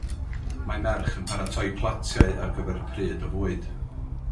Mae merch yn paratoi platiau ar gyfer pryd o fwyd.